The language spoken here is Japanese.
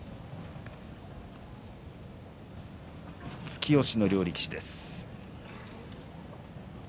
突き押しの両力士です。